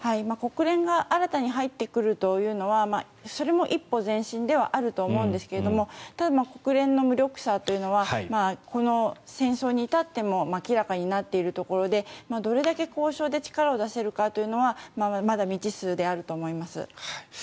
国連が新たに入ってくるというのはそれも一歩前進ではあると思うんですが例えば国連の無力さというのはこの戦争に至っても明らかになっているところでどれだけ交渉で力を出せるかというのはまだ未知数であると思います。